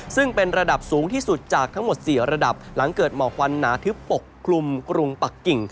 ซึ่งเป็นระดับสูงที่สุดจากทั้งหมด๔ระดับหลังเกิดหมอกควันหนาทึบปกคลุมกรุงปักกิ่ง